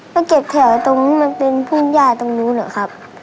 ไปเก็บแถวตรงนี้มันเป็นพุ่มย่าตรงนู้นเหรอครับ